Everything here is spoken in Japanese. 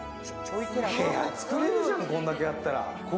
部屋作れるじゃん、こんだけあったら。